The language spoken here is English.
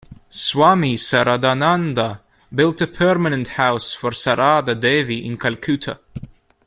Swami Saradananda built a permanent house for Sarada Devi in Calcutta.